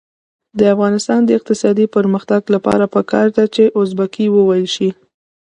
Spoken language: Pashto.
د افغانستان د اقتصادي پرمختګ لپاره پکار ده چې ازبکي وویل شي.